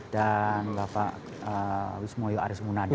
dan bapak wismoyo aris munadar